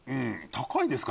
高いですか？